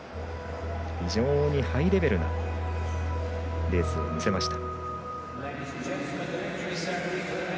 非常にハイレベルなレースを見せました。